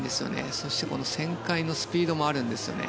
そして旋回のスピードもあるんですね。